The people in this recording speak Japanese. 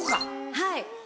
はい。